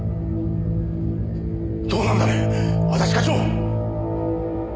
どうなんだね安達課長！